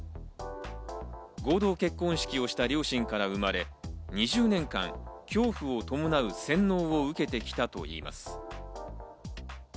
合同結婚式をした両親から生まれ、２０年間、恐怖を伴う洗脳を受けてきたといいます。